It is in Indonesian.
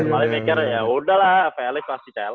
paling mikirnya yaudah lah felix pasti cls